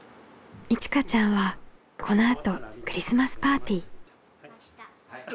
いちかちゃんはこのあとクリスマスパーティー。